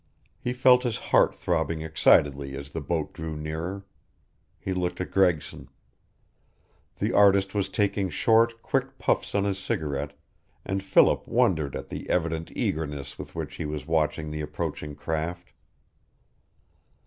He felt his heart throbbing excitedly as the boat drew nearer. He looked at Gregson. The artist was taking short, quick puffs on his cigarette, and Philip wondered at the evident eagerness with which he was watching the approaching craft.